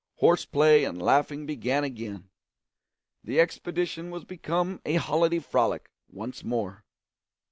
Horse play and laughing began again; the expedition was become a holiday frolic once more.